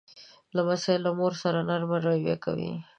لمسی له مور سره نرمه رویه کوي.